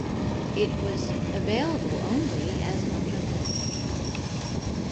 It was available only as an automatic.